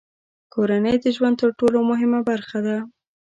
کورنۍ د ژوند تر ټولو مهمه برخه ده.